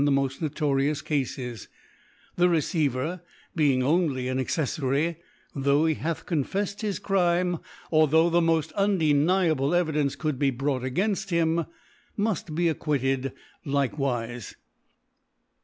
the mod notorious Cafes, the Receiver, being only an Accei^ ftry, tho* he hath confefied his Crime, or tho' the moft undeniaUe Evidence could he broi^tngai^lft him, muft be acquitted like wife.